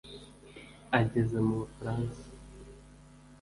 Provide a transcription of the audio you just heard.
Ageze mu Bufaransa